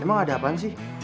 emang ada apaan sih